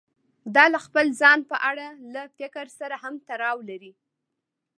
دا له خپل ځان په اړه له فکر سره هم تړاو لري.